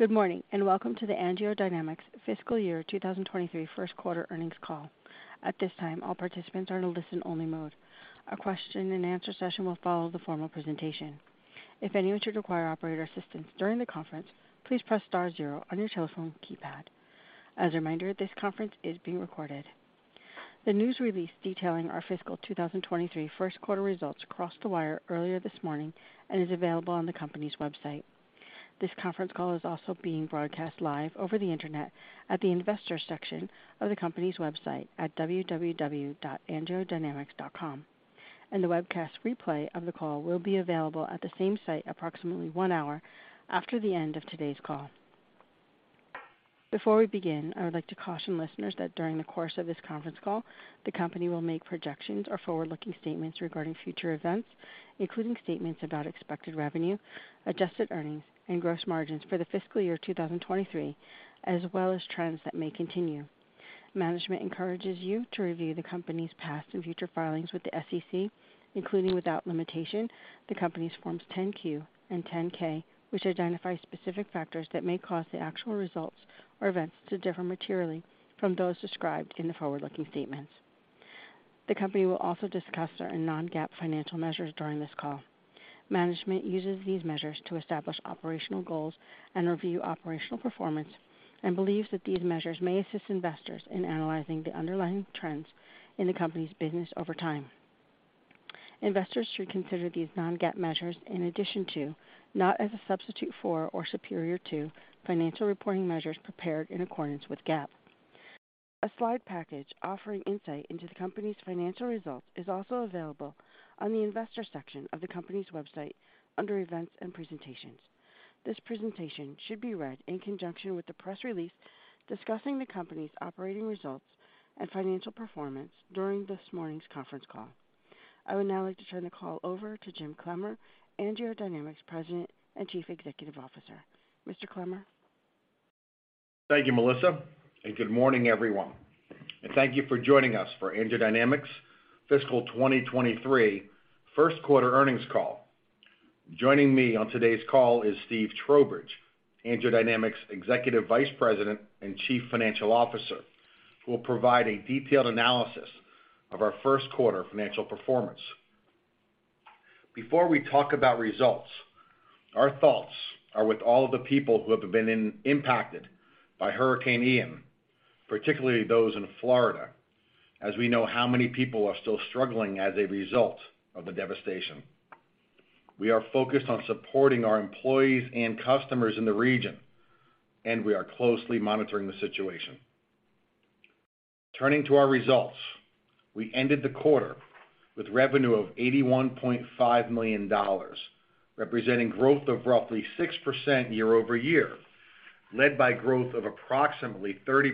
Good morning, and welcome to the AngioDynamics fiscal year 2023 first quarter earnings call. At this time, all participants are in a listen-only mode. A question and answer session will follow the formal presentation. If anyone should require operator assistance during the conference, please press star zero on your telephone keypad. As a reminder, this conference is being recorded. The news release detailing our fiscal year 2023 first quarter results crossed the wire earlier this morning and is available on the company's website. This conference call is also being broadcast live over the Internet at the investor section of the company's website at www.angiodynamics.com, and the webcast replay of the call will be available at the same site approximately 1 hour after the end of today's call. Before we begin, I would like to caution listeners that during the course of this conference call, the company will make projections or forward-looking statements regarding future events, including statements about expected revenue, adjusted earnings and gross margins for the fiscal year 2023, as well as trends that may continue. Management encourages you to review the company's past and future filings with the SEC, including, without limitation, the company's Forms 10-Q and 10-K, which identify specific factors that may cause the actual results or events to differ materially from those described in the forward-looking statements. The company will also discuss certain non-GAAP financial measures during this call. Management uses these measures to establish operational goals and review operational performance and believes that these measures may assist investors in analyzing the underlying trends in the company's business over time. Investors should consider these non-GAAP measures in addition to, not as a substitute for or superior to, financial reporting measures prepared in accordance with GAAP. A slide package offering insight into the company's financial results is also available on the investor section of the company's website under Events and Presentations. This presentation should be read in conjunction with the press release discussing the company's operating results and financial performance during this morning's conference call. I would now like to turn the call over to Jim Clemmer, AngioDynamics President and Chief Executive Officer. Mr. Clemmer? Thank you, Melissa, and good morning, everyone. Thank you for joining us for AngioDynamics' fiscal 2023 first quarter earnings call. Joining me on today's call is Steve Trowbridge, AngioDynamics' Executive Vice President and Chief Financial Officer, who will provide a detailed analysis of our first quarter financial performance. Before we talk about results, our thoughts are with all of the people who have been impacted by Hurricane Ian, particularly those in Florida, as we know how many people are still struggling as a result of the devastation. We are focused on supporting our employees and customers in the region, and we are closely monitoring the situation. Turning to our results, we ended the quarter with revenue of $81.5 million, representing growth of roughly 6% year-over-year, led by growth of approximately 30%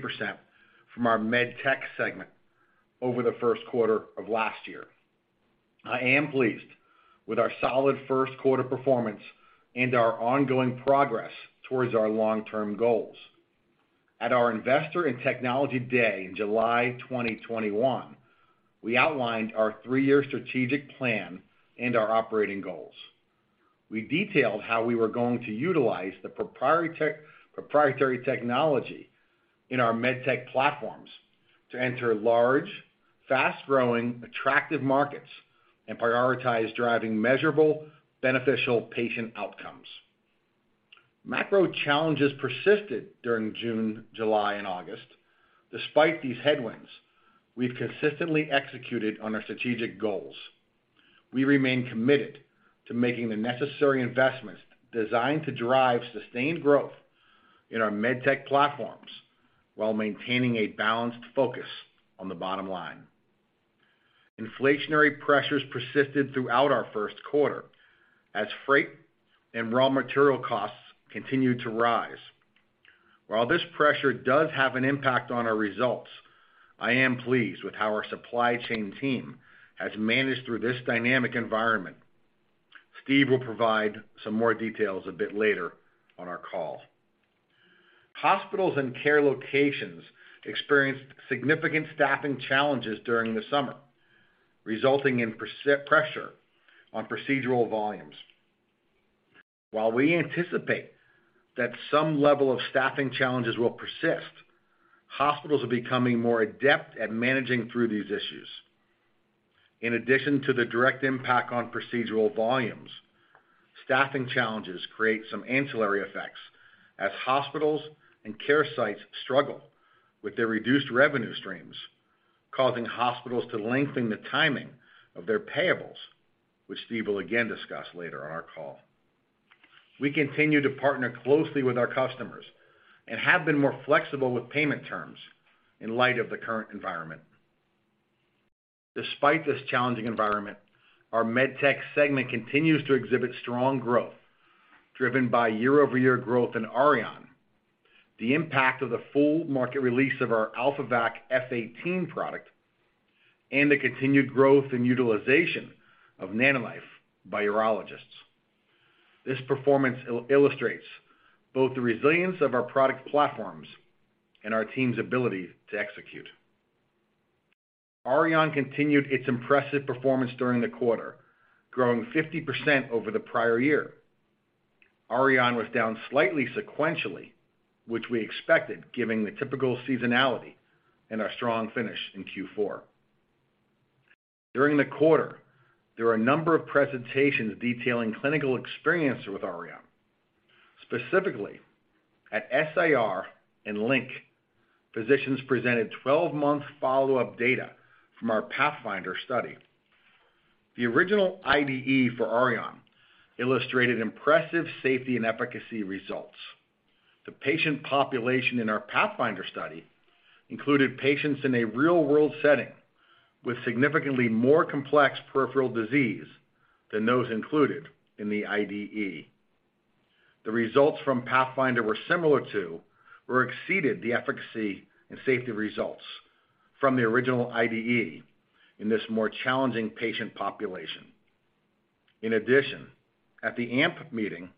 from our MedTech segment over the first quarter of last year. I am pleased with our solid first quarter performance and our ongoing progress towards our long-term goals. At our Investor and Technology Day in July 2021, we outlined our three-year strategic plan and our operating goals. We detailed how we were going to utilize the proprietary technology in our MedTech platforms to enter large, fast-growing, attractive markets and prioritize driving measurable, beneficial patient outcomes. Macro challenges persisted during June, July, and August. Despite these headwinds, we've consistently executed on our strategic goals. We remain committed to making the necessary investments designed to drive sustained growth in our MedTech platforms while maintaining a balanced focus on the bottom line. Inflationary pressures persisted throughout our first quarter as freight and raw material costs continued to rise. While this pressure does have an impact on our results, I am pleased with how our supply chain team has managed through this dynamic environment. Steve will provide some more details a bit later on our call. Hospitals and care locations experienced significant staffing challenges during the summer, resulting in pressure on procedural volumes. While we anticipate that some level of staffing challenges will persist, hospitals are becoming more adept at managing through these issues. In addition to the direct impact on procedural volumes, staffing challenges create some ancillary effects as hospitals and care sites struggle with their reduced revenue streams, causing hospitals to lengthen the timing of their payables, which Steve will again discuss later on our call. We continue to partner closely with our customers and have been more flexible with payment terms in light of the current environment. Despite this challenging environment, our MedTech segment continues to exhibit strong growth driven by year-over-year growth in Auryon, the impact of the full market release of our AlphaVac F18 product, and the continued growth and utilization of NanoKnife by urologists. This performance illustrates both the resilience of our product platforms and our team's ability to execute. Auryon continued its impressive performance during the quarter, growing 50% over the prior year. Auryon was down slightly sequentially, which we expected given the typical seasonality and our strong finish in Q4. During the quarter, there were a number of presentations detailing clinical experience with Auryon. Specifically, at SIR and LINC, physicians presented 12-month follow-up data from our PATHFINDER study. The original IDE for Auryon illustrated impressive safety and efficacy results. The patient population in our PATHFINDER study included patients in a real-world setting with significantly more complex peripheral disease than those included in the IDE. The results from PATHFINDER were similar to or exceeded the efficacy and safety results from the original IDE in this more challenging patient population. In addition, at the AMP meeting,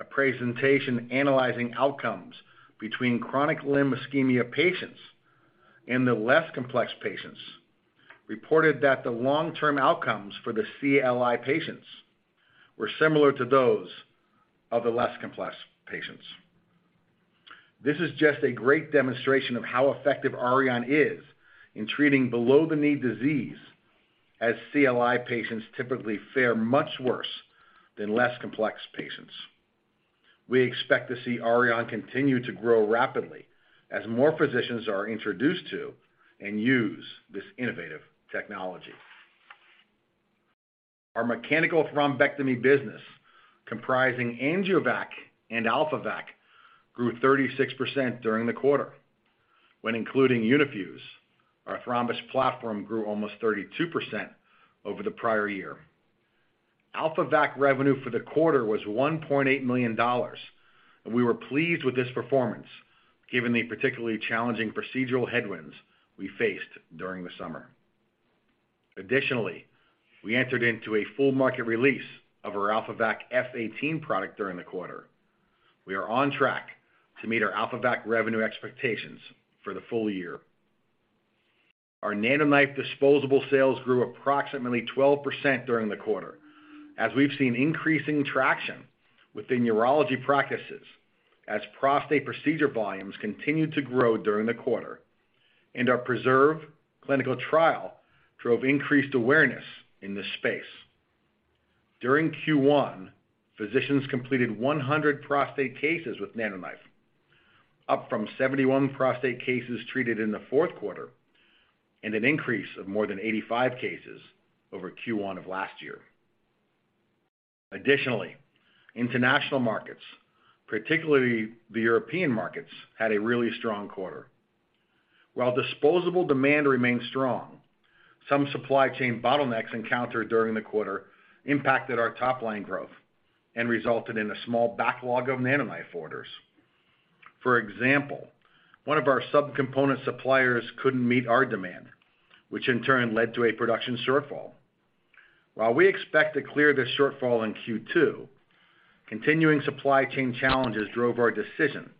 a presentation analyzing outcomes between chronic limb ischemia patients and the less complex patients reported that the long-term outcomes for the CLI patients were similar to those of the less complex patients. This is just a great demonstration of how effective Auryon is in treating below-the-knee disease as CLI patients typically fare much worse than less complex patients. We expect to see Auryon continue to grow rapidly as more physicians are introduced to and use this innovative technology. Our mechanical thrombectomy business, comprising AngioVac and AlphaVac, grew 36% during the quarter. When including Uni-Fuse, our thrombus platform grew almost 32% over the prior year. AlphaVac revenue for the quarter was $1.8 million, and we were pleased with this performance given the particularly challenging procedural headwinds we faced during the summer. Additionally, we entered into a full market release of our AlphaVac F18 product during the quarter. We are on track to meet our AlphaVac revenue expectations for the full year. Our NanoKnife disposable sales grew approximately 12% during the quarter as we've seen increasing traction within urology practices as prostate procedure volumes continued to grow during the quarter and our PRESERVE clinical trial drove increased awareness in this space. During Q1, physicians completed 100 prostate cases with NanoKnife, up from 71 prostate cases treated in the fourth quarter and an increase of more than 85 cases over Q1 of last year. Additionally, international markets, particularly the European markets, had a really strong quarter. While disposable demand remained strong, some supply chain bottlenecks encountered during the quarter impacted our top-line growth and resulted in a small backlog of NanoKnife orders. For example, one of our subcomponent suppliers couldn't meet our demand, which in turn led to a production shortfall. While we expect to clear this shortfall in Q2, continuing supply chain challenges drove our decision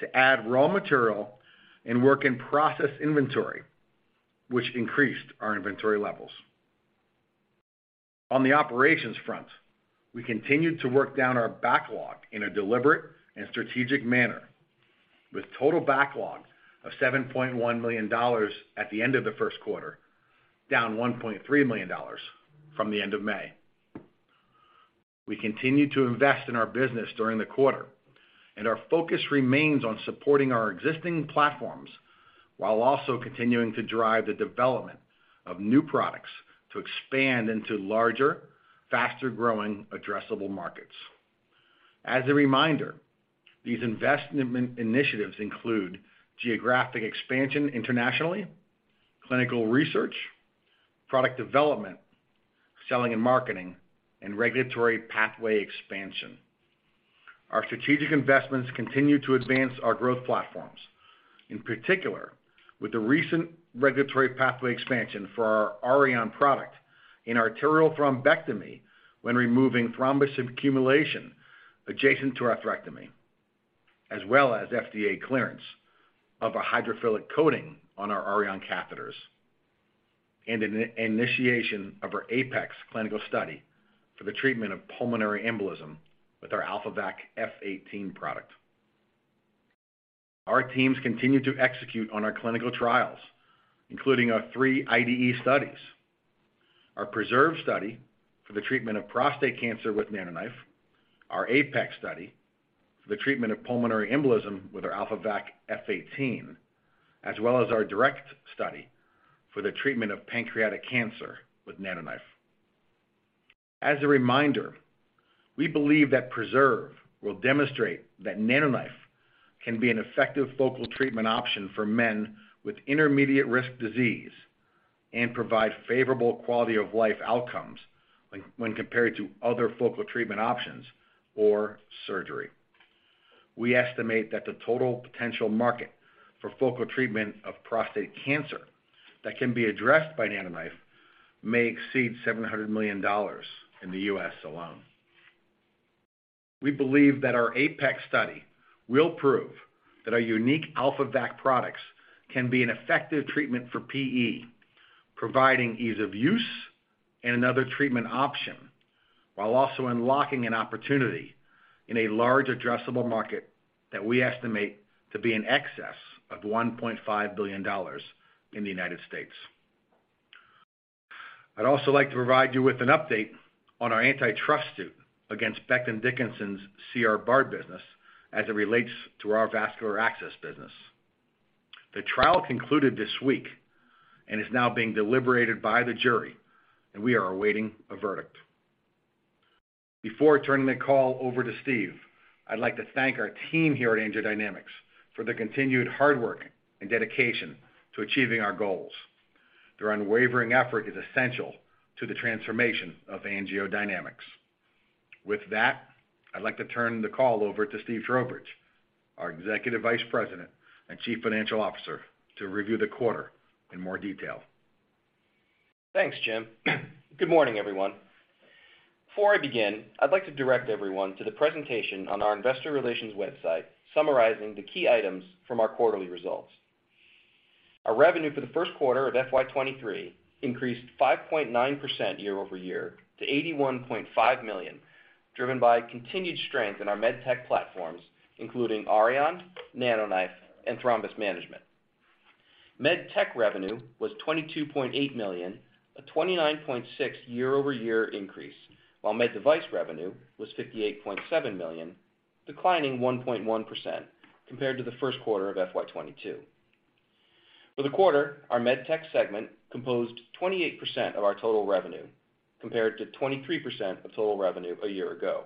to add raw material and work in process inventory, which increased our inventory levels. On the operations front, we continued to work down our backlog in a deliberate and strategic manner with total backlogs of $7.1 million at the end of the first quarter, down $1.3 million from the end of May. We continued to invest in our business during the quarter, and our focus remains on supporting our existing platforms while also continuing to drive the development of new products to expand into larger, faster-growing addressable markets. As a reminder, these investment initiatives include geographic expansion internationally, clinical research, product development, selling and marketing, and regulatory pathway expansion. Our strategic investments continue to advance our growth platforms, in particular with the recent regulatory pathway expansion for our Auryon product in arterial thrombectomy when removing thrombus accumulation adjacent to atherectomy, as well as FDA clearance of a hydrophilic coating on our Auryon catheters and an initiation of our APEX clinical study for the treatment of pulmonary embolism with our AlphaVac F18 product. Our teams continue to execute on our clinical trials, including our three IDE studies, our PRESERVE study for the treatment of prostate cancer with NanoKnife, our APEX study for the treatment of pulmonary embolism with our AlphaVac F18, as well as our DIRECT study for the treatment of pancreatic cancer with NanoKnife. As a reminder, we believe that PRESERVE will demonstrate that NanoKnife can be an effective focal treatment option for men with intermediate risk disease and provide favorable quality of life outcomes when compared to other focal treatment options or surgery. We estimate that the total potential market for focal treatment of prostate cancer that can be addressed by NanoKnife may exceed $700 million in the U.S. alone. We believe that our APEX study will prove that our unique AlphaVac products can be an effective treatment for PE, providing ease of use and another treatment option, while also unlocking an opportunity in a large addressable market that we estimate to be in excess of $1.5 billion in the United States. I'd also like to provide you with an update on our antitrust suit against Becton Dickinson's C.R. Bard business as it relates to our vascular access business. The trial concluded this week and is now being deliberated by the jury, and we are awaiting a verdict. Before turning the call over to Steve, I'd like to thank our team here at AngioDynamics for their continued hard work and dedication to achieving our goals. Their unwavering effort is essential to the transformation of AngioDynamics. With that, I'd like to turn the call over to Steve Trowbridge, our Executive Vice President and Chief Financial Officer, to review the quarter in more detail. Thanks, Jim. Good morning, everyone. Before I begin, I'd like to direct everyone to the presentation on our investor relations website summarizing the key items from our quarterly results. Our revenue for the first quarter of FY 2023 increased 5.9% year-over-year to $81.5 million, driven by continued strength in our MedTech platforms, including Auryon, NanoKnife, and thrombus management. MedTech revenue was $22.8 million, a 29.6% year-over-year increase, while MedDevice revenue was $58.7 million, declining 1.1% compared to the first quarter of FY 2022. For the quarter, our MedTech segment composed 28% of our total revenue compared to 23% of total revenue a year ago.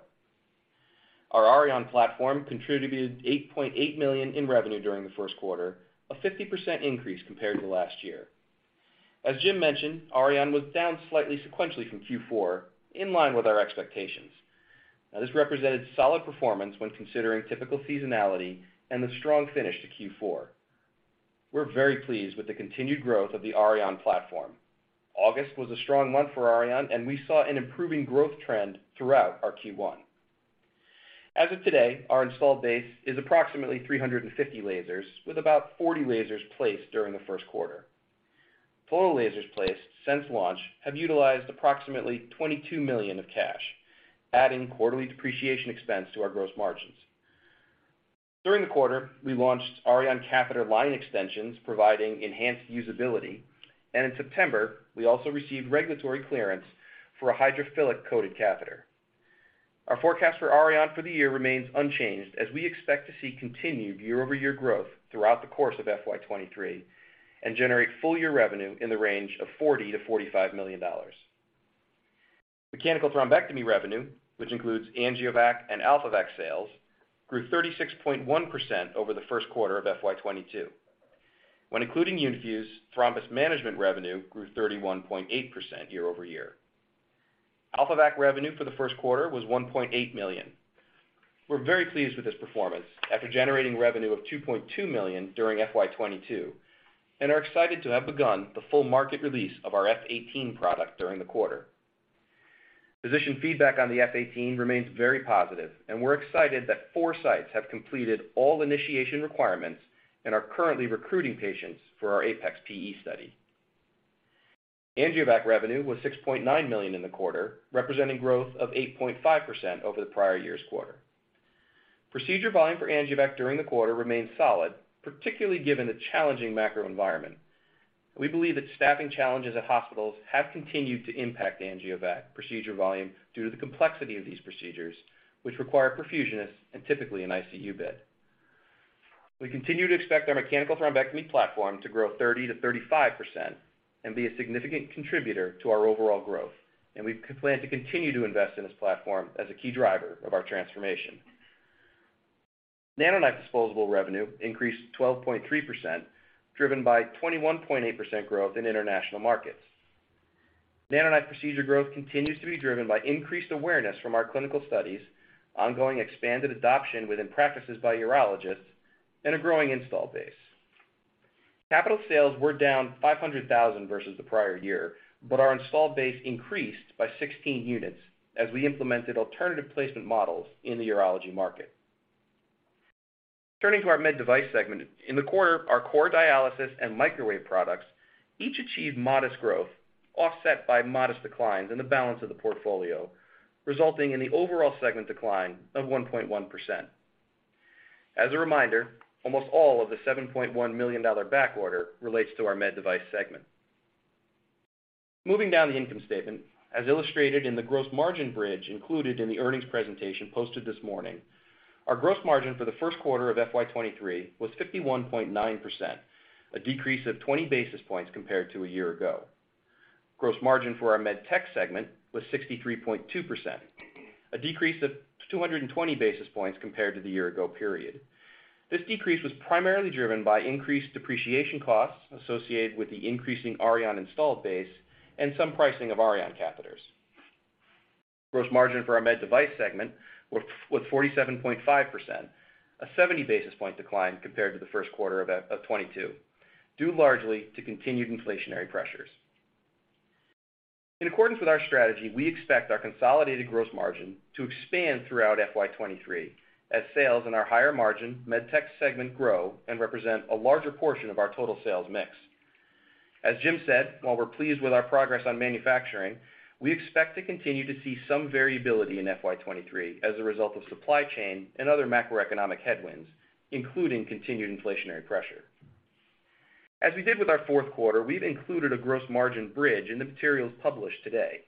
Our Auryon platform contributed $8.8 million in revenue during the first quarter, a 50% increase compared to last year. As Jim mentioned, Auryon was down slightly sequentially from Q4, in line with our expectations. Now, this represented solid performance when considering typical seasonality and the strong finish to Q4. We're very pleased with the continued growth of the Auryon platform. August was a strong month for Auryon, and we saw an improving growth trend throughout our Q1. As of today, our installed base is approximately 350 lasers, with about 40 lasers placed during the first quarter. Total lasers placed since launch have utilized approximately $22 million of cash, adding quarterly depreciation expense to our gross margins. During the quarter, we launched Auryon catheter line extensions providing enhanced usability. In September, we also received regulatory clearance for a hydrophilic coated catheter. Our forecast for Auryon for the year remains unchanged as we expect to see continued year-over-year growth throughout the course of FY 2023 and generate full year revenue in the range of $40-$45 million. Mechanical thrombectomy revenue, which includes AngioVac and AlphaVac sales, grew 36.1% over the first quarter of FY 2022. When including Uni-Fuse, thrombus management revenue grew 31.8% year over year. AlphaVac revenue for the first quarter was $1.8 million. We're very pleased with this performance after generating revenue of $2.2 million during FY 2022 and are excited to have begun the full market release of our F18 product during the quarter. Physician feedback on the F18 remains very positive, and we're excited that 4 sites have completed all initiation requirements and are currently recruiting patients for our APEX-AV PE study. AngioVac revenue was $6.9 million in the quarter, representing growth of 8.5% over the prior year's quarter. Procedure volume for AngioVac during the quarter remained solid, particularly given the challenging macro environment. We believe that staffing challenges at hospitals have continued to impact AngioVac procedure volume due to the complexity of these procedures, which require perfusionists and typically an ICU bed. We continue to expect our mechanical thrombectomy platform to grow 30%-35% and be a significant contributor to our overall growth, and we plan to continue to invest in this platform as a key driver of our transformation. NanoKnife disposable revenue increased 12.3%, driven by 21.8% growth in international markets. NanoKnife procedure growth continues to be driven by increased awareness from our clinical studies, ongoing expanded adoption within practices by urologists, and a growing install base. Capital sales were down $500,000 versus the prior year, but our installed base increased by 16 units as we implemented alternative placement models in the urology market. Turning to our MedDevice segment. In the quarter, our core dialysis and microwave products each achieved modest growth, offset by modest declines in the balance of the portfolio, resulting in the overall segment decline of 1.1%. As a reminder, almost all of the $7.1 million back order relates to our MedDevice segment. Moving down the income statement, as illustrated in the gross margin bridge included in the earnings presentation posted this morning, our gross margin for the first quarter of FY 2023 was 51.9%, a decrease of 20 basis points compared to a year ago. Gross margin for our MedTech segment was 63.2%, a decrease of 220 basis points compared to the year ago period. This decrease was primarily driven by increased depreciation costs associated with the increasing Auryon installed base and some pricing of Auryon catheters. Gross margin for our MedDevice segment was 47.5%, a 70 basis point decline compared to the first quarter of 2022, due largely to continued inflationary pressures. In accordance with our strategy, we expect our consolidated gross margin to expand throughout FY 2023 as sales in our higher margin MedTech segment grow and represent a larger portion of our total sales mix. As Jim said, while we're pleased with our progress on manufacturing, we expect to continue to see some variability in FY 2023 as a result of supply chain and other macroeconomic headwinds, including continued inflationary pressure. As we did with our fourth quarter, we've included a gross margin bridge in the materials published today.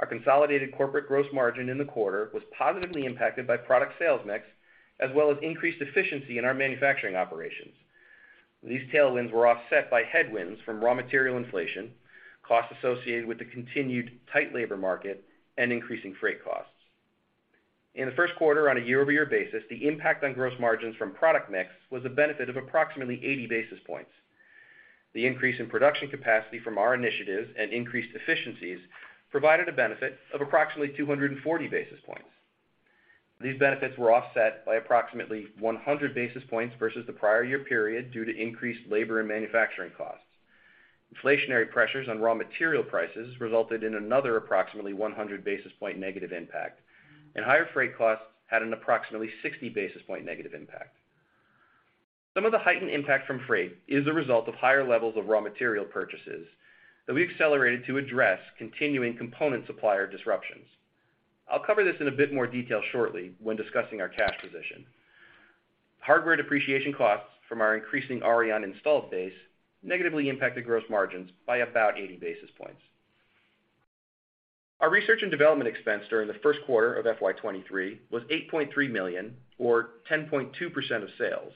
Our consolidated corporate gross margin in the quarter was positively impacted by product sales mix, as well as increased efficiency in our manufacturing operations. These tailwinds were offset by headwinds from raw material inflation, costs associated with the continued tight labor market, and increasing freight costs. In the first quarter, on a year-over-year basis, the impact on gross margins from product mix was a benefit of approximately 80 basis points. The increase in production capacity from our initiatives and increased efficiencies provided a benefit of approximately 240 basis points. These benefits were offset by approximately 100 basis points versus the prior year period due to increased labor and manufacturing costs. Inflationary pressures on raw material prices resulted in another approximately 100 basis point negative impact, and higher freight costs had an approximately 60 basis point negative impact. Some of the heightened impact from freight is a result of higher levels of raw material purchases that we accelerated to address continuing component supplier disruptions. I'll cover this in a bit more detail shortly when discussing our cash position. Hardware depreciation costs from our increasing Auryon installed base negatively impacted gross margins by about 80 basis points. Our research and development expense during the first quarter of FY 2023 was $8.3 million or 10.2% of sales,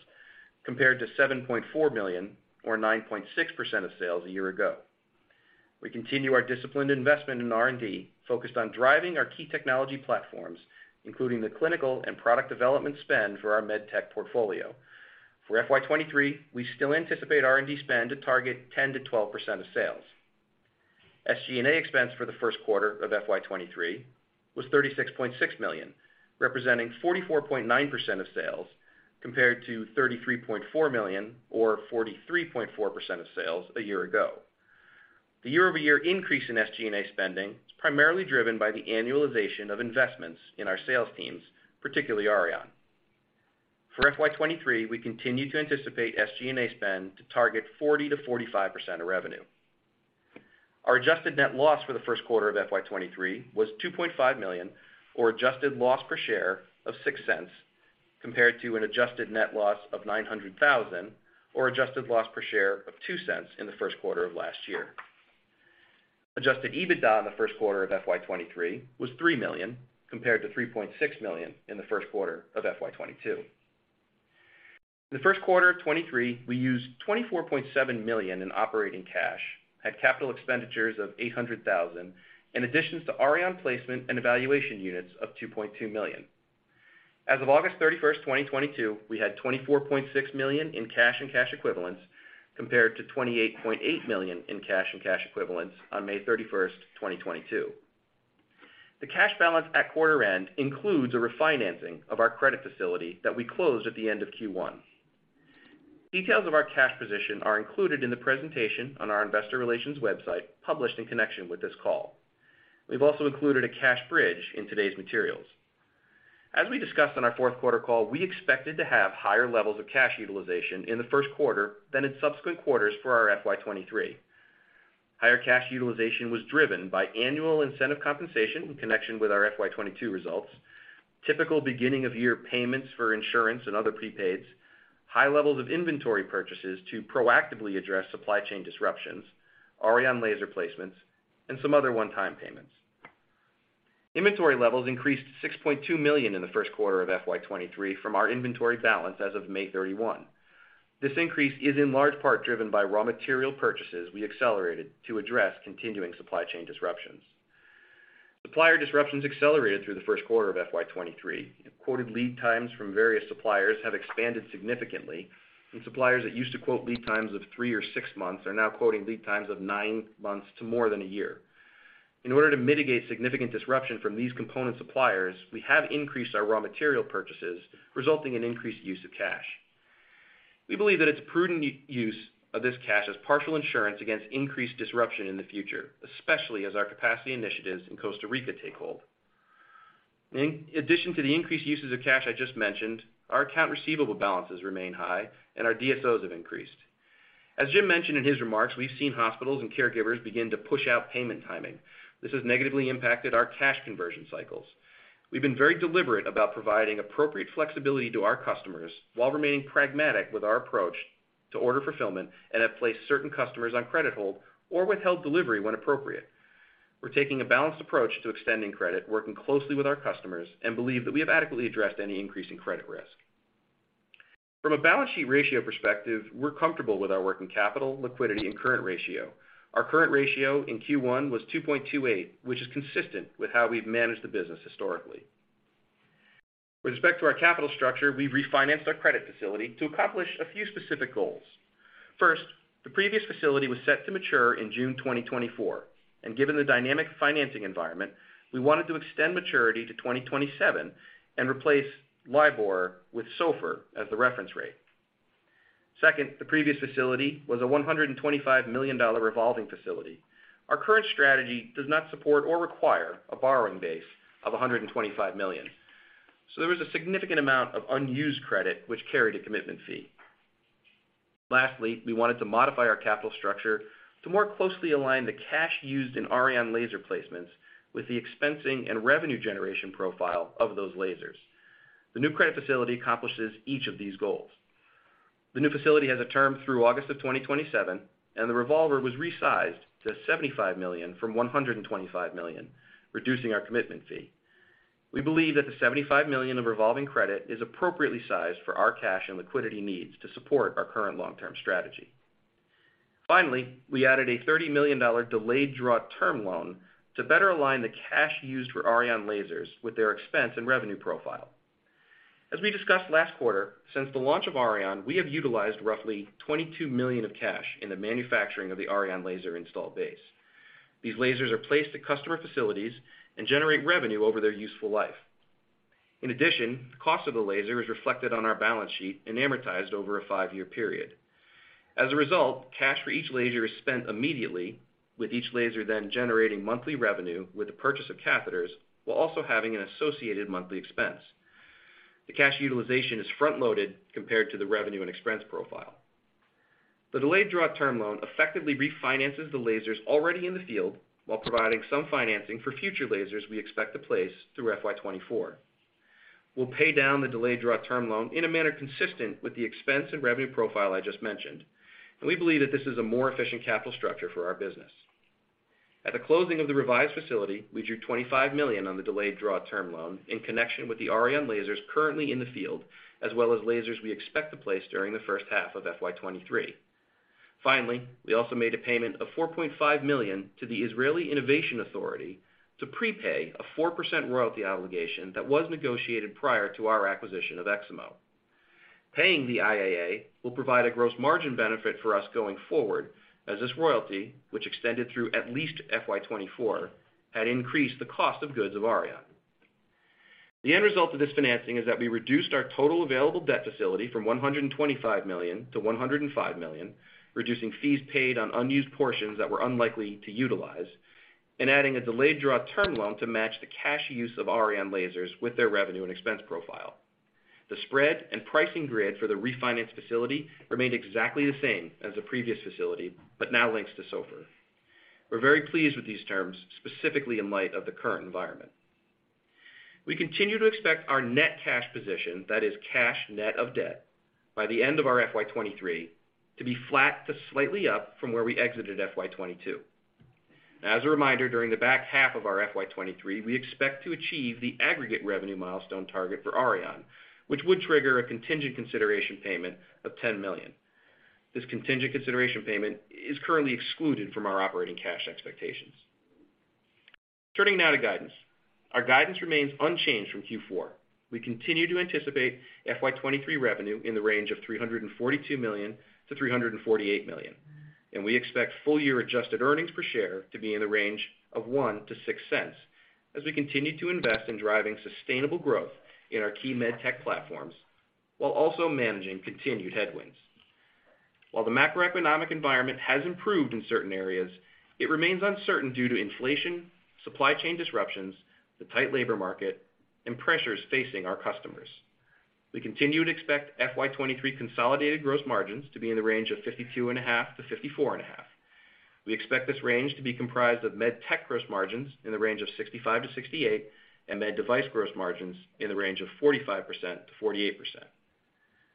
compared to $7.4 million or 9.6% of sales a year ago. We continue our disciplined investment in R&D, focused on driving our key technology platforms, including the clinical and product development spend for our MedTech portfolio. For FY 2023, we still anticipate R&D spend to target 10%-12% of sales. SG&A expense for the first quarter of FY 2023 was $36.6 million, representing 44.9% of sales, compared to $33.4 million or 43.4% of sales a year ago. The year-over-year increase in SG&A spending is primarily driven by the annualization of investments in our sales teams, particularly Auryon. For FY 2023, we continue to anticipate SG&A spend to target 40%-45% of revenue. Our adjusted net loss for the first quarter of FY 2023 was $2.5 million or adjusted loss per share of $0.06, compared to an adjusted net loss of $900,000 or adjusted loss per share of $0.02 in the first quarter of last year. Adjusted EBITDA in the first quarter of FY 2023 was $3 million compared to $3.6 million in the first quarter of FY 2022. In the first quarter of 2023, we used $24.7 million in operating cash, had capital expenditures of $800,000 in additions to Auryon placement and evaluation units of $2.2 million. As of August 31, 2022, we had $24.6 million in cash and cash equivalents compared to $28.8 million in cash and cash equivalents on May 31, 2022. The cash balance at quarter end includes a refinancing of our credit facility that we closed at the end of Q1. Details of our cash position are included in the presentation on our investor relations website published in connection with this call. We've also included a cash bridge in today's materials. As we discussed on our fourth quarter call, we expected to have higher levels of cash utilization in the first quarter than in subsequent quarters for our FY 2023. Higher cash utilization was driven by annual incentive compensation in connection with our FY 2022 results, typical beginning of year payments for insurance and other prepaids, high levels of inventory purchases to proactively address supply chain disruptions, Auryon laser placements, and some other one-time payments. Inventory levels increased $6.2 million in the first quarter of FY 2023 from our inventory balance as of May 31. This increase is in large part driven by raw material purchases we accelerated to address continuing supply chain disruptions. Supplier disruptions accelerated through the first quarter of FY 2023. Quoted lead times from various suppliers have expanded significantly, and suppliers that used to quote lead times of 3 or 6 months are now quoting lead times of 9 months to more than a year. In order to mitigate significant disruption from these component suppliers, we have increased our raw material purchases, resulting in increased use of cash. We believe that it's a prudent use of this cash as partial insurance against increased disruption in the future, especially as our capacity initiatives in Costa Rica take hold. In addition to the increased uses of cash I just mentioned, our accounts receivable balances remain high and our DSOs have increased. As Jim mentioned in his remarks, we've seen hospitals and caregivers begin to push out payment timing. This has negatively impacted our cash conversion cycles. We've been very deliberate about providing appropriate flexibility to our customers while remaining pragmatic with our approach to order fulfillment and have placed certain customers on credit hold or withheld delivery when appropriate. We're taking a balanced approach to extending credit, working closely with our customers, and believe that we have adequately addressed any increase in credit risk. From a balance sheet ratio perspective, we're comfortable with our working capital, liquidity, and current ratio. Our current ratio in Q1 was 2.28, which is consistent with how we've managed the business historically. With respect to our capital structure, we've refinanced our credit facility to accomplish a few specific goals. First, the previous facility was set to mature in June 2024, and given the dynamic financing environment, we wanted to extend maturity to 2027 and replace LIBOR with SOFR as the reference rate. Second, the previous facility was a $125 million revolving facility. Our current strategy does not support or require a borrowing base of $125 million. So there was a significant amount of unused credit which carried a commitment fee. Lastly, we wanted to modify our capital structure to more closely align the cash used in Auryon laser placements with the expensing and revenue generation profile of those lasers. The new credit facility accomplishes each of these goals. The new facility has a term through August 2027, and the revolver was resized to $75 million from $125 million, reducing our commitment fee. We believe that the $75 million of revolving credit is appropriately sized for our cash and liquidity needs to support our current long-term strategy. Finally, we added a $30 million delayed draw term loan to better align the cash used for Auryon lasers with their expense and revenue profile. As we discussed last quarter, since the launch of Auryon, we have utilized roughly $22 million of cash in the manufacturing of the Auryon laser installed base. These lasers are placed at customer facilities and generate revenue over their useful life. In addition, the cost of the laser is reflected on our balance sheet and amortized over a 5-year period. As a result, cash for each laser is spent immediately, with each laser then generating monthly revenue with the purchase of catheters while also having an associated monthly expense. The cash utilization is front-loaded compared to the revenue and expense profile. The delayed draw term loan effectively refinances the lasers already in the field while providing some financing for future lasers we expect to place through FY 2024. We'll pay down the delayed draw term loan in a manner consistent with the expense and revenue profile I just mentioned, and we believe that this is a more efficient capital structure for our business. At the closing of the revised facility, we drew $25 million on the delayed draw term loan in connection with the Auryon lasers currently in the field, as well as lasers we expect to place during the first half of FY 2023. Finally, we also made a payment of $4.5 million to the Israel Innovation Authority to prepay a 4% royalty obligation that was negotiated prior to our acquisition of Eximo. Paying the IAA will provide a gross margin benefit for us going for, ward as this royalty, which extended through at least FY 2024, had increased the cost of goods of Auryon. The end result of this financing is that we reduced our total available debt facility from $125 million to $105 million, reducing fees paid on unused portions that we're unlikely to utilize and adding a delayed draw term loan to match the cash use of Auryon lasers with their revenue and expense profile. The spread and pricing grid for the refinance facility remained exactly the same as the previous facility, but now links to SOFR. We're very pleased with these terms, specifically in light of the current environment. We continue to expect our net cash position, that is cash net of debt, by the end of our FY 2023 to be flat to slightly up from where we exited FY 2022. As a reminder, during the back half of our FY 2023, we expect to achieve the aggregate revenue milestone target for Auryon, which would trigger a contingent consideration payment of $10 million. This contingent consideration payment is currently excluded from our operating cash expectations. Turning now to guidance. Our guidance remains unchanged from Q4. We continue to anticipate FY 2023 revenue in the range of $342 million-$348 million. We expect full year adjusted earnings per share to be in the range of $0.01-$0.06 as we continue to invest in driving sustainable growth in our key med tech platforms while also managing continued headwinds. While the macroeconomic environment has improved in certain areas, it remains uncertain due to inflation, supply chain disruptions, the tight labor market, and pressures facing our customers. We continue to expect FY 2023 consolidated gross margins to be in the range of 52.5%-54.5%. We expect this range to be comprised of med tech gross margins in the range of 65%-68%, and med device gross margins in the range of 45%-48%.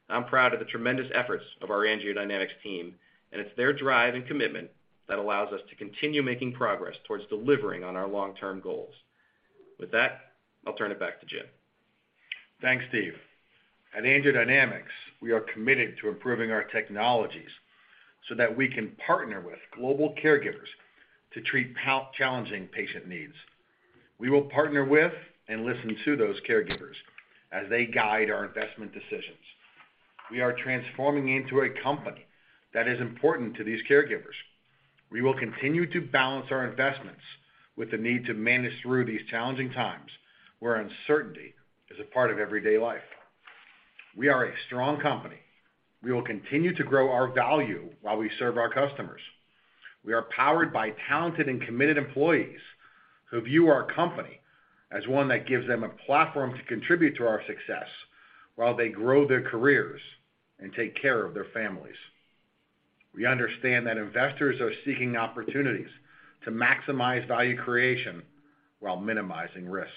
I'm proud of the tremendous efforts of our AngioDynamics team, and it's their drive and commitment that allows us to continue making progress towards delivering on our long-term goals. With that, I'll turn it back to Jim. Thanks, Steve. At AngioDynamics, we are committed to improving our technologies so that we can partner with global caregivers to treat challenging patient needs. We will partner with and listen to those caregivers as they guide our investment decisions. We are transforming into a company that is important to these caregivers. We will continue to balance our investments with the need to manage through these challenging times where uncertainty is a part of everyday life. We are a strong company. We will continue to grow our value while we serve our customers. We are powered by talented and committed employees who view our company as one that gives them a platform to contribute to our success while they grow their careers and take care of their families. We understand that investors are seeking opportunities to maximize value creation while minimizing risk.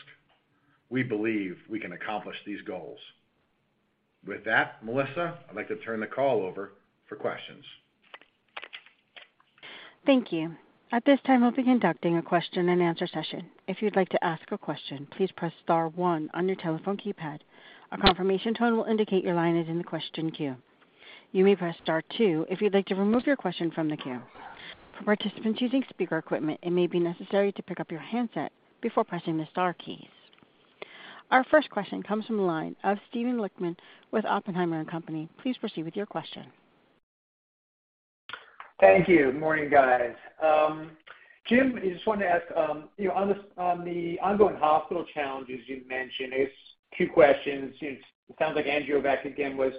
We believe we can accomplish these goals. With that, Melissa, I'd like to turn the call over for questions. Thank you. At this time, we'll be conducting a question and answer session. If you'd like to ask a question, please press star one on your telephone keypad. A confirmation tone will indicate your line is in the question queue. You may press star two if you'd like to remove your question from the queue. For participants using speaker equipment, it may be necessary to pick up your handset before pressing the star keys. Our first question comes from the line of Steven Lichtman with Oppenheimer & Company. Please proceed with your question. Thank you. Morning, guys. Jim, I just wanted to ask, you know, on the ongoing hospital challenges you've mentioned, it's two questions. It sounds like AngioVac again was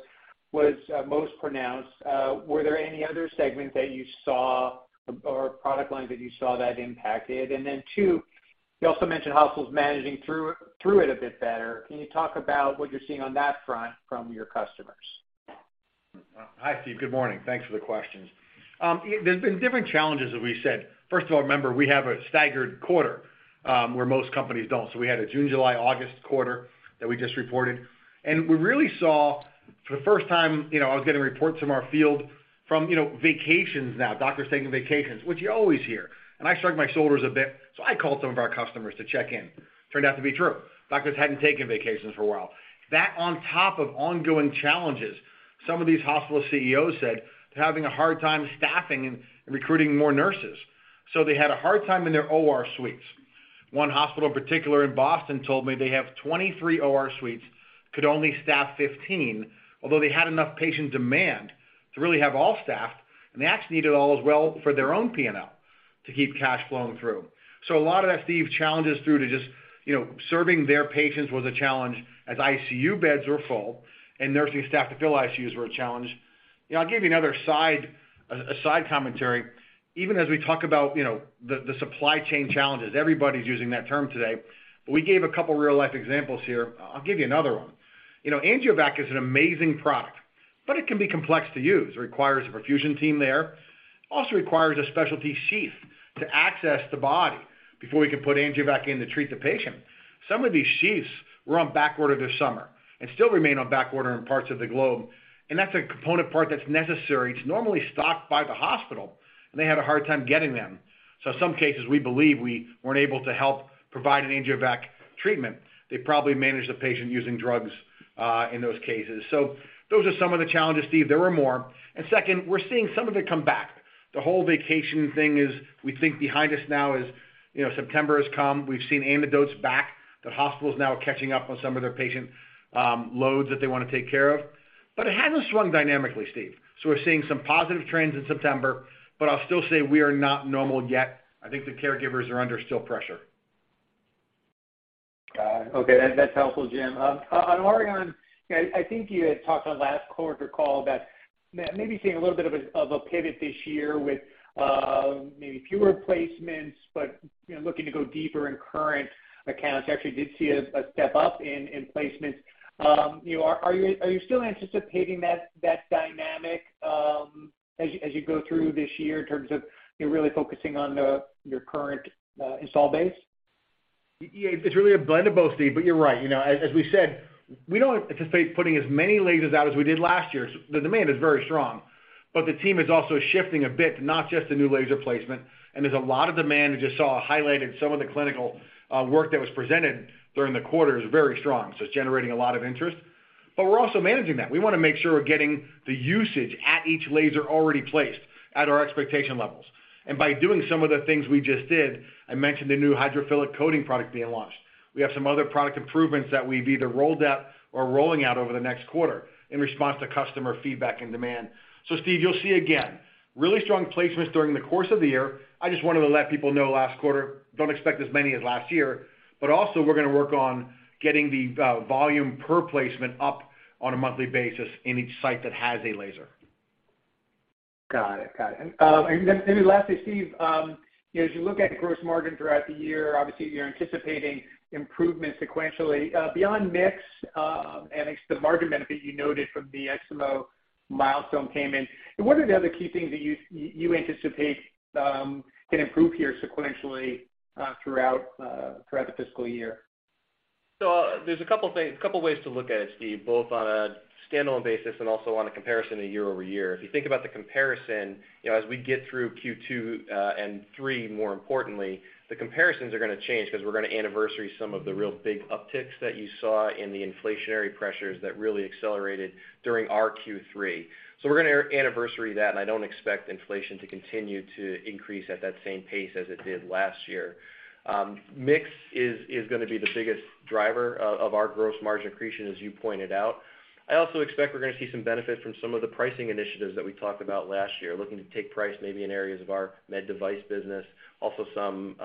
most pronounced. Were there any other segments that you saw or product lines that you saw that impacted? Two, you also mentioned hospitals managing through it a bit better. Can you talk about what you're seeing on that front from your customers? Hi, Steve. Good morning. Thanks for the questions. There's been different challenges, as we said. First of all, remember, we have a staggered quarter, where most companies don't. We had a June-July-August quarter that we just reported, and we really saw for the first time, you know, I was getting reports from our field, you know, vacations now, doctors taking vacations, which you always hear, and I shrug my shoulders a bit, so I called some of our customers to check in. Turned out to be true. Doctors hadn't taken vacations for a while. That on top of ongoing challenges, some of these hospital CEOs said they're having a hard time staffing and recruiting more nurses, so they had a hard time in their OR suites. One hospital in particular in Boston told me they have 23 OR suites, could only staff 15, although they had enough patient demand to really have all staffed, and they actually needed all as well for their own P&L to keep cash flowing through. A lot of that, Steve, challenges through to just, you know, serving their patients was a challenge as ICU beds were full and nursing staff to fill ICUs were a challenge. You know, I'll give you another side, a side commentary. Even as we talk about, you know, the supply chain challenges, everybody's using that term today, but we gave a couple real-life examples here. I'll give you another one. You know, AngioVac is an amazing product, but it can be complex to use. It requires a perfusion team there. Also requires a specialty sheath to access the body before we can put AngioVac in to treat the patient. Some of these sheaths were on backorder this summer and still remain on backorder in parts of the globe, and that's a component part that's necessary. It's normally stocked by the hospital, and they had a hard time getting them. So in some cases, we believe we weren't able to help provide an AngioVac treatment. They probably managed the patient using drugs, in those cases. So those are some of the challenges, Steve. There were more. Second, we're seeing some of it come back. The whole vacation thing is, we think, behind us now as, you know, September has come. We've seen anecdotes back that hospitals now are catching up on some of their patient, loads that they wanna take care of. It hasn't swung dynamically, Steve. We're seeing some positive trends in September, but I'll still say we are not normal yet. I think the caregivers are still under pressure. Got it. Okay. That's helpful, Jim. On Auryon, you know, I think you had talked on last quarter call about maybe seeing a little bit of a pivot this year with maybe fewer placements, but you know, looking to go deeper in current accounts. You actually did see a step up in placements. You know, are you still anticipating that dynamic as you go through this year in terms of you know, really focusing on your current installed base? Yeah. It's really a blend of both, Steve, but you're right. You know, as we said, we don't anticipate putting as many lasers out as we did last year. The demand is very strong, but the team is also shifting a bit to not just the new laser placement, and there's a lot of demand. We just saw highlighted some of the clinical work that was presented during the quarter is very strong, so it's generating a lot of interest. But we're also managing that. We wanna make sure we're getting the usage at each laser already placed at our expectation levels. By doing some of the things we just did, I mentioned the new hydrophilic coating product being launched. We have some other product improvements that we've either rolled out or rolling out over the next quarter in response to customer feedback and demand. Steve, you'll see again really strong placements during the course of the year. I just wanted to let people know last quarter, don't expect as many as last year, but also we're gonna work on getting the volume per placement up on a monthly basis in each site that has a laser. Got it. Then maybe lastly, Steve, you know, as you look at gross margin throughout the year, obviously you're anticipating improvement sequentially. Beyond mix, and it's the margin benefit you noted from the Eximo milestone payment, and what are the other key things that you anticipate can improve here sequentially throughout the fiscal year? There's a couple ways to look at it, Steve, both on a standalone basis and also on a comparison to year-over-year. If you think about the comparison, you know, as we get through Q2 and Q3, more importantly, the comparisons are gonna change because we're gonna anniversary some of the real big upticks that you saw in the inflationary pressures that really accelerated during our Q3. We're gonna anniversary that, and I don't expect inflation to continue to increase at that same pace as it did last year. Mix is gonna be the biggest driver of our gross margin accretion, as you pointed out. I also expect we're gonna see some benefit from some of the pricing initiatives that we talked about last year, looking to take price maybe in areas of our med device business, also some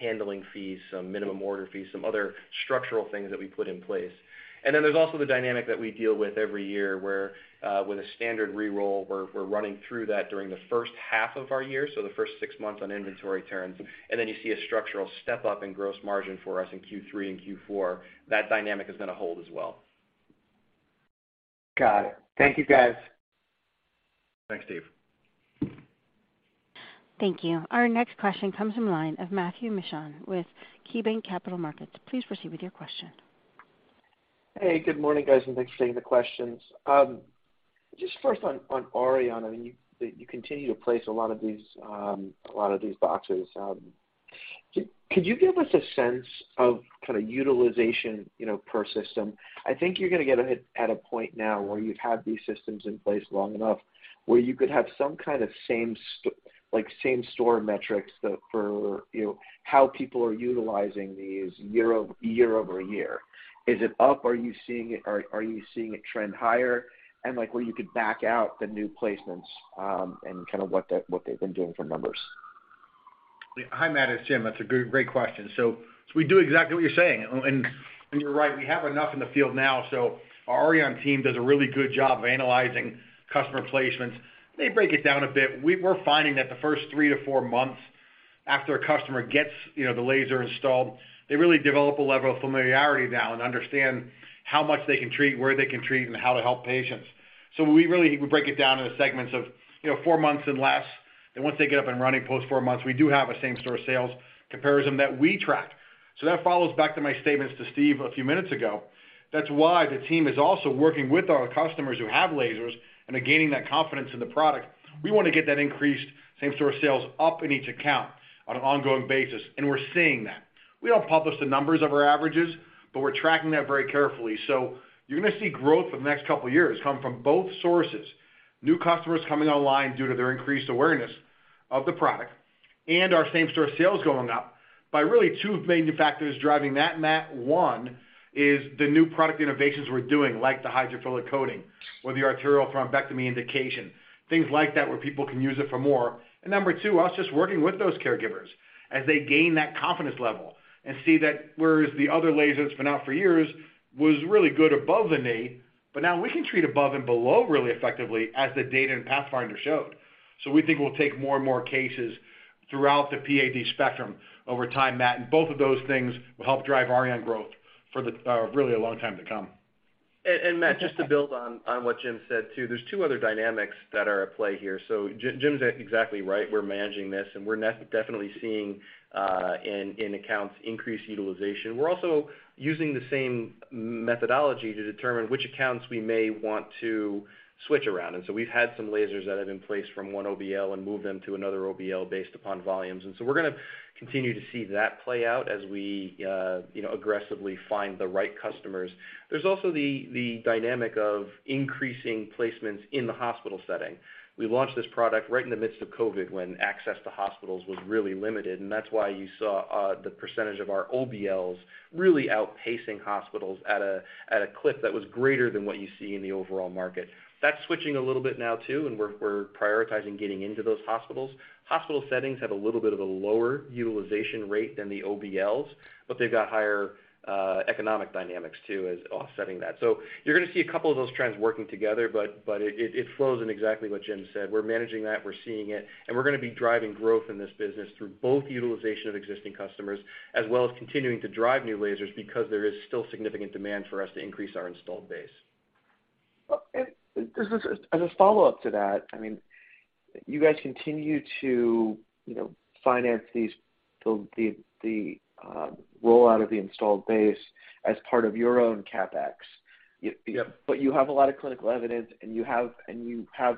handling fees, some minimum order fees, some other structural things that we put in place. There's also the dynamic that we deal with every year where with a standard re-roll, we're running through that during the first half of our year, so the first six months on inventory turns, and then you see a structural step-up in gross margin for us in Q3 and Q4. That dynamic is gonna hold as well. Got it. Thank you, guys. Thanks, Steve. Thank you. Our next question comes from line of Matthew Mishan with KeyBanc Capital Markets. Please proceed with your question. Hey, good morning, guys, and thanks for taking the questions. Just first on Auryon, I mean, you continue to place a lot of these boxes. Could you give us a sense of kinda utilization, you know, per system? I think you're gonna get at a point now where you've had these systems in place long enough where you could have some kind of same store metrics that for, you know, how people are utilizing these year-over-year. Is it up? Are you seeing it trend higher? Like, where you could back out the new placements, and kind of what they've been doing for numbers. Hi, Matt, it's Jim. That's a good, great question. We do exactly what you're saying. You're right, we have enough in the field now. Our Auryon team does a really good job of analyzing customer placements. They break it down a bit. We're finding that the first 3 to 4 months after a customer gets, you know, the laser installed, they really develop a level of familiarity now and understand how much they can treat, where they can treat, and how to help patients. We really break it down into segments of, you know, 4 months and less. Once they get up and running post 4 months, we do have a same store sales comparison that we track. That follows back to my statements to Steve a few minutes ago. That's why the team is also working with our customers who have lasers and are gaining that confidence in the product. We want to get that increased same store sales up in each account on an ongoing basis, and we're seeing that. We don't publish the numbers of our averages, but we're tracking that very carefully. You're gonna see growth for the next couple of years come from both sources, new customers coming online due to their increased awareness of the product, and our same store sales going up by really two of the main factors driving that, Matt. One, is the new product innovations we're doing, like the hydrophilic coating or the arterial thrombectomy indication, things like that where people can use it for more. Number two, us just working with those caregivers as they gain that confidence level and see that whereas the other laser that's been out for years was really good above the knee, but now we can treat above and below really effectively as the data in PATHFINDER showed. We think we'll take more and more cases throughout the PAD spectrum over time, Matt, and both of those things will help drive Auryon growth for the really a long time to come. Matt, just to build on what Jim said too. There's two other dynamics that are at play here. Jim's exactly right. We're managing this, and we're definitely seeing in accounts increased utilization. We're also using the same methodology to determine which accounts we may want to switch around. We've had some lasers that have been placed from one OBL and moved them to another OBL based upon volumes. We're gonna continue to see that play out as we you know, aggressively find the right customers. There's also the dynamic of increasing placements in the hospital setting. We launched this product right in the midst of COVID when access to hospitals was really limited, and that's why you saw the percentage of our OBLs really outpacing hospitals at a clip that was greater than what you see in the overall market. That's switching a little bit now too, and we're prioritizing getting into those hospitals. Hospital settings have a little bit of a lower utilization rate than the OBLs, but they've got higher economic dynamics too as offsetting that. You're gonna see a couple of those trends working together, but it flows in exactly what Jim said. We're managing that, we're seeing it, and we're gonna be driving growth in this business through both utilization of existing customers as well as continuing to drive new lasers because there is still significant demand for us to increase our installed base. Well, as a follow-up to that, I mean, you guys continue to, you know, finance the rollout of the installed base as part of your own CapEx. Yep. You have a lot of clinical evidence, and you have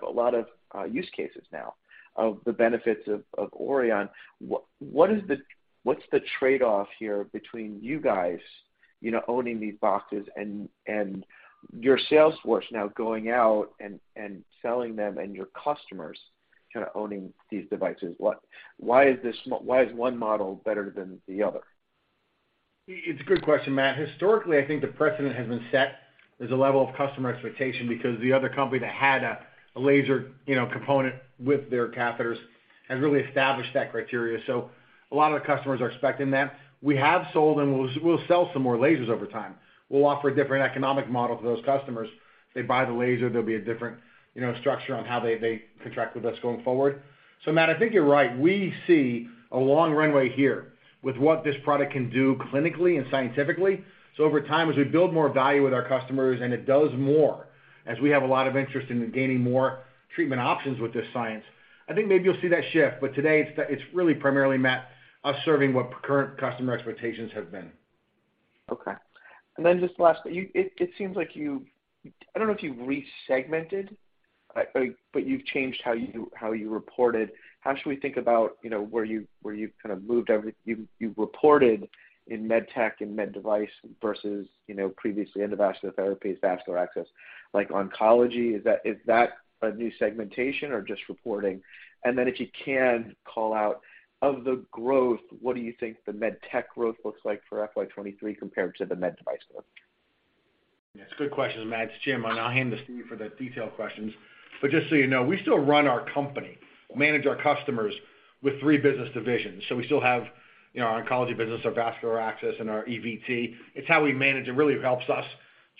a lot of use cases now of the benefits of Auryon. What is the trade-off here between you guys, you know, owning these boxes and your sales force now going out and selling them and your customers kind of owning these devices? Why is one model better than the other? It's a good question, Matt. Historically, I think the precedent has been set. There's a level of customer expectation because the other company that had a laser, you know, component with their catheters has really established that criteria. A lot of the customers are expecting that. We have sold, and we'll sell some more lasers over time. We'll offer a different economic model to those customers. They buy the laser, there'll be a different, you know, structure on how they contract with us going forward. Matt, I think you're right. We see a long runway here with what this product can do clinically and scientifically. Over time, as we build more value with our customers, and it does more, as we have a lot of interest in gaining more treatment options with this science, I think maybe you'll see that shift. Today it's really primarily, Matt, us serving what current customer expectations have been. Okay. Just last bit. It seems like, I don't know if you've re-segmented, but you've changed how you reported. How should we think about, you know, where you've reported in med tech and med device versus, you know, previously endovascular therapies, vascular access like oncology. Is that a new segmentation or just reporting? If you can call out the growth, what do you think the med tech growth looks like for FY 2023 compared to the med device growth? Yes, good questions, Matt. It's Jim, and I'll hand this to you for the detailed questions. Just so you know, we still run our company, manage our customers with three business divisions. We still have, you know, our oncology business, our vascular access, and our EVT. It's how we manage. It really helps us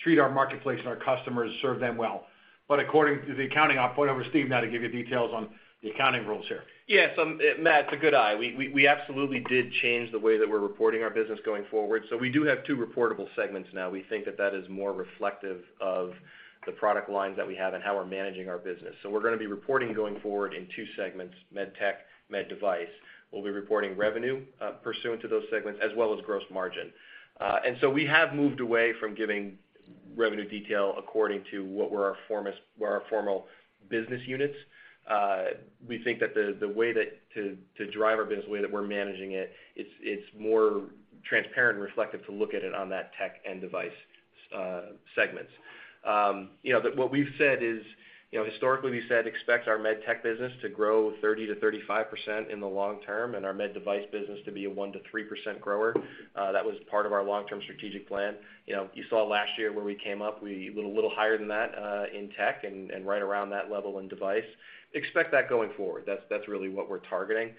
treat our marketplace and our customers, serve them well. According to the accounting, I'll point over to Steve now to give you details on the accounting rules here. Yes, Matt, it's a good eye. We absolutely did change the way that we're reporting our business going forward. We do have two reportable segments now. We think that is more reflective of the product lines that we have and how we're managing our business. We're gonna be reporting going forward in two segments, Med Tech, Med Device. We'll be reporting revenue pursuant to those segments, as well as gross margin. We have moved away from giving revenue detail according to what were our former business units. We think that the way to drive our business, the way that we're managing it's more transparent and reflective to look at it on that tech and device segments. You know, what we've said is, you know, historically we said expect our med tech business to grow 30%-35% in the long term, and our med device business to be a 1%-3% grower. That was part of our long-term strategic plan. You know, you saw last year where we came up, we went a little higher than that in tech and right around that level in device. Expect that going forward. That's really what we're targeting.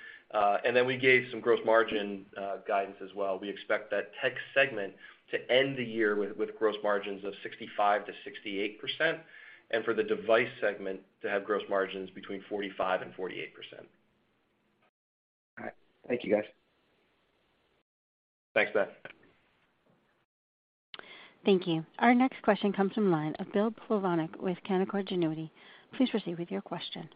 We gave some gross margin guidance as well. We expect that tech segment to end the year with gross margins of 65%-68%, and for the device segment to have gross margins between 45% and 48%. All right. Thank you, guys. Thanks, Ben. Thank you. Our next question comes from line of Bill Plovanic with Canaccord Genuity. Please proceed with your question.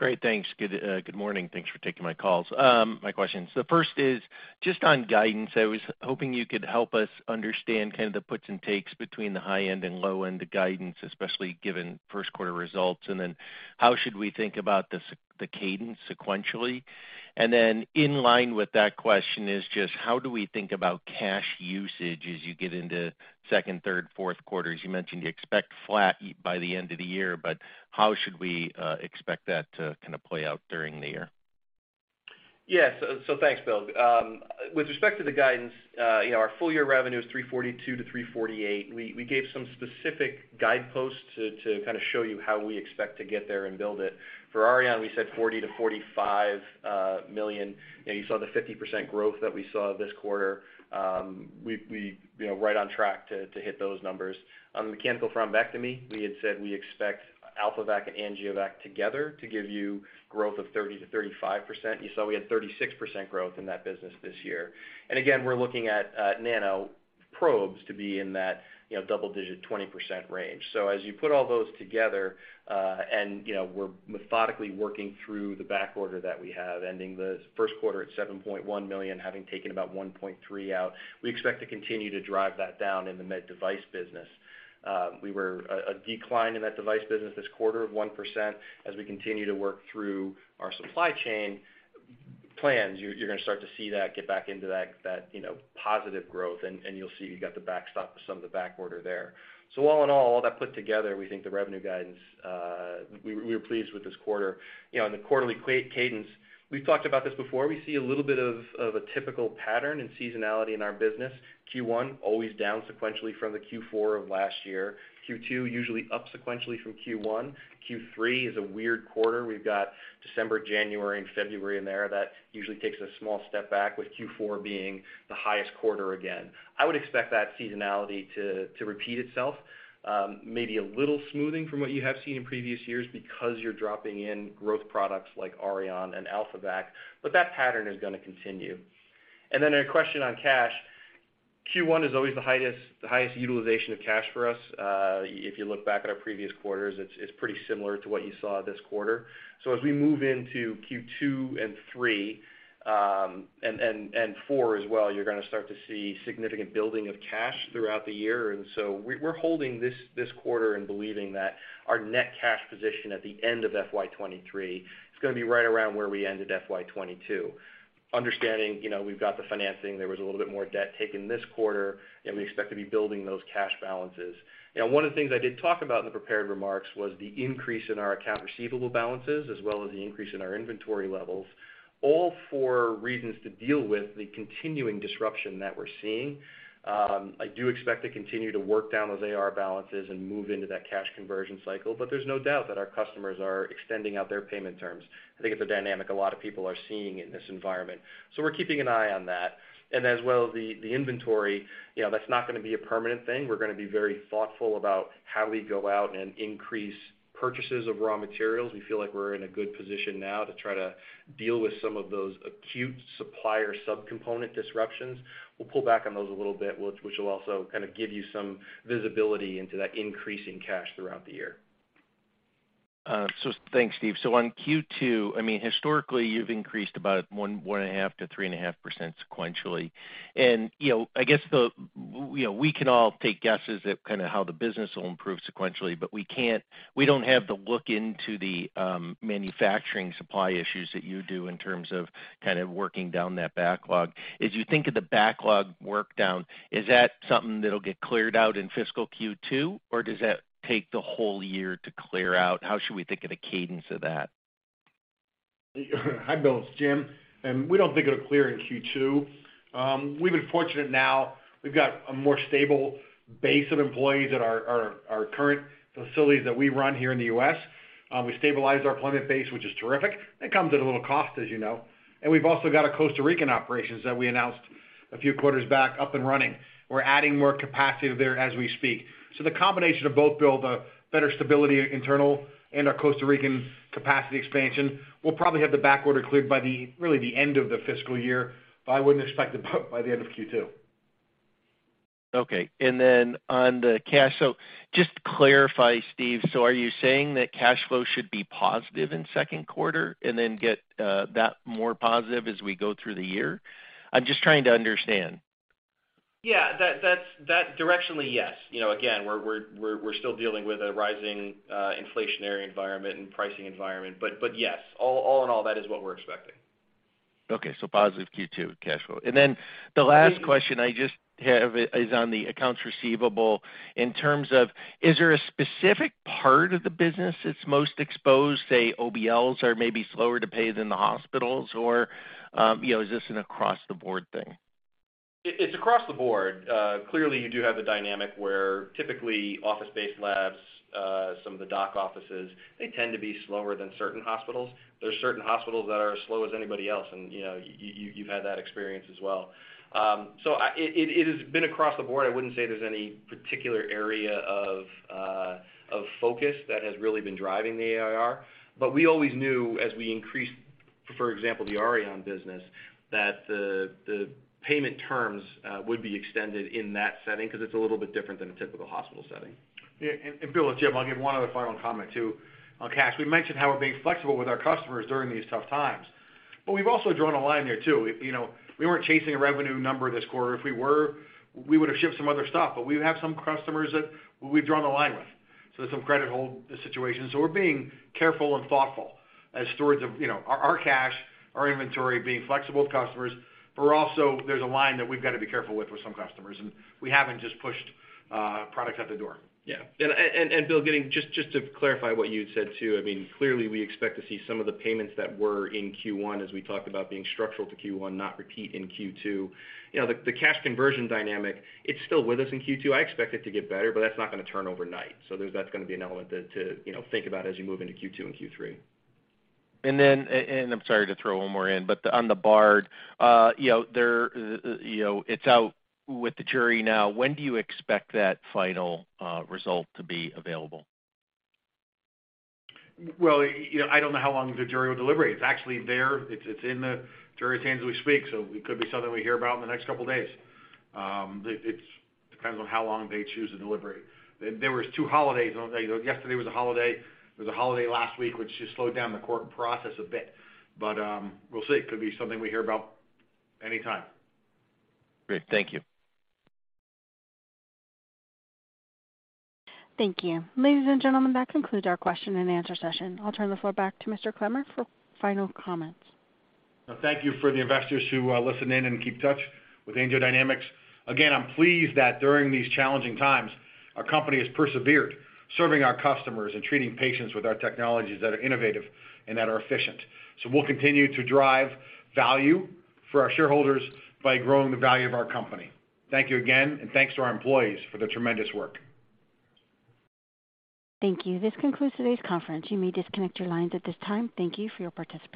Great. Thanks. Good morning. Thanks for taking my calls. My questions. The first is just on guidance. I was hoping you could help us understand kind of the puts and takes between the high end and low end of guidance, especially given first quarter results. How should we think about the cadence sequentially? In line with that question is just how do we think about cash usage as you get into second, third, fourth quarters? You mentioned you expect flat by the end of the year, but how should we expect that to kinda play out during the year? Yes. Thanks, Bill. With respect to the guidance, you know, our full year revenue is $342-$348. We gave some specific guideposts to kinda show you how we expect to get there and build it. For Auryon, we said $40-$45 million. You know, you saw the 50% growth that we saw this quarter. You know, right on track to hit those numbers. On mechanical thrombectomy, we had said we expect AlphaVac and AngioVac together to give you growth of 30%-35%. You saw we had 36% growth in that business this year. Again, we're looking at nanoprobes to be in that, you know, double-digit 20% range. As you put all those together, you know, we're methodically working through the backorder that we have, ending the first quarter at $7.1 million, having taken about $1.3 million out. We expect to continue to drive that down in the med device business. We saw a decline in that device business this quarter of 1%. As we continue to work through our supply chain plans, you're gonna start to see that get back into that, you know, positive growth, and you'll see you got the backorder, some of the backorder there. All in all that put together, we think the revenue guidance. We were pleased with this quarter. You know, on the quarterly cadence, we've talked about this before. We see a little bit of a typical pattern and seasonality in our business. Q1 always down sequentially from the Q4 of last year. Q2 usually up sequentially from Q1. Q3 is a weird quarter. We've got December, January and February in there. That usually takes a small step back, with Q4 being the highest quarter again. I would expect that seasonality to repeat itself, maybe a little smoothing from what you have seen in previous years because you're dropping in growth products like Auryon and AlphaVac, but that pattern is gonna continue. Then a question on cash. Q1 is always the highest utilization of cash for us. If you look back at our previous quarters, it's pretty similar to what you saw this quarter. As we move into Q2 and Q3, and Q4 as well, you're gonna start to see significant building of cash throughout the year. We're holding this quarter and believing that our net cash position at the end of FY 2023 is gonna be right around where we ended FY 2022. Understanding we've got the financing, there was a little bit more debt taken this quarter, and we expect to be building those cash balances. One of the things I did talk about in the prepared remarks was the increase in our accounts receivable balances, as well as the increase in our inventory levels, all for reasons to deal with the continuing disruption that we're seeing. I do expect to continue to work down those AR balances and move into that cash conversion cycle, but there's no doubt that our customers are extending out their payment terms. I think it's a dynamic a lot of people are seeing in this environment. We're keeping an eye on that. As well, the inventory, you know, that's not gonna be a permanent thing. We're gonna be very thoughtful about how do we go out and increase purchases of raw materials. We feel like we're in a good position now to try to deal with some of those acute supplier subcomponent disruptions. We'll pull back on those a little bit, which will also kind of give you some visibility into that increase in cash throughout the year. Thanks, Steve. On Q2, I mean, historically, you've increased about 1.5%-3.5% sequentially. You know, I guess you know, we can all take guesses at kinda how the business will improve sequentially, but we don't have the look into the manufacturing supply issues that you do in terms of kind of working down that backlog. As you think of the backlog workdown, is that something that'll get cleared out in fiscal Q2, or does that take the whole year to clear out? How should we think of the cadence of that? Hi, Bill. It's Jim. We don't think it'll clear in Q2. We've been fortunate now we've got a more stable base of employees at our current facilities that we run here in the U.S. We stabilized our employment base, which is terrific. It comes at a little cost, as you know. We've also got our Costa Rican operations that we announced a few quarters back up and running. We're adding more capacity there as we speak. The combination of both, Bill, the better stability internal and our Costa Rican capacity expansion, we'll probably have the backorder cleared by really the end of the fiscal year, but I wouldn't expect it by the end of Q2. Okay. On the cash, so just to clarify, Steve, so are you saying that cash flow should be positive in second quarter and then get that more positive as we go through the year? I'm just trying to understand. Yeah, that's directionally yes. You know, again, we're still dealing with a rising inflationary environment and pricing environment, but yes, all in all, that is what we're expecting. Okay. Positive Q2 cash flow. The last question I just have is on the accounts receivable in terms of is there a specific part of the business that's most exposed, say, OBLs are maybe slower to pay than the hospitals or, you know, is this an across-the-board thing? It's across the board. Clearly, you do have the dynamic where typically office-based labs, some of the doc offices, they tend to be slower than certain hospitals. There are certain hospitals that are as slow as anybody else and, you know, you've had that experience as well. It has been across the board. I wouldn't say there's any particular area of focus that has really been driving the AR. We always knew as we increased, for example, the Auryon business, that the payment terms would be extended in that setting because it's a little bit different than a typical hospital setting. Yeah. Bill, it's Jim. I'll give one other final comment too on cash. We mentioned how we're being flexible with our customers during these tough times, but we've also drawn a line there too. You know, we weren't chasing a revenue number this quarter. If we were, we would have shipped some other stuff. We have some customers that we've drawn a line with, so there's some credit hold situations. We're being careful and thoughtful as stewards of, you know, our cash, our inventory, being flexible with customers, but we're also. There's a line that we've got to be careful with for some customers, and we haven't just pushed product out the door. Bill, just to clarify what you had said, too, I mean, clearly we expect to see some of the payments that were in Q1 as we talked about being structural to Q1, not repeat in Q2. You know, the cash conversion dynamic, it's still with us in Q2. I expect it to get better, but that's not gonna turn overnight. That's gonna be an element to, you know, think about as you move into Q2 and Q3. I'm sorry to throw one more in, but on the Bard, you know, it's out with the jury now. When do you expect that final result to be available? Well, you know, I don't know how long the jury will deliberate. It's actually there. It's in the jury's hands as we speak, so it could be something we hear about in the next couple of days. It depends on how long they choose to deliberate. There was two holidays. Yesterday was a holiday. There was a holiday last week, which just slowed down the court process a bit. We'll see. It could be something we hear about anytime. Great. Thank you. Thank you. Ladies and gentlemen, that concludes our question and answer session. I'll turn the floor back to Mr. Clemmer for final comments. Thank you to the investors who listen in and keep in touch with AngioDynamics. Again, I'm pleased that during these challenging times, our company has persevered, serving our customers and treating patients with our technologies that are innovative and that are efficient. We'll continue to drive value for our shareholders by growing the value of our company. Thank you again, and thanks to our employees for their tremendous work. Thank you. This concludes today's conference. You may disconnect your lines at this time. Thank you for your participation.